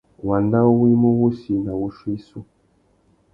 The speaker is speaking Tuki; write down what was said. Wanda uwú i mú wussi nà wuchiô issú.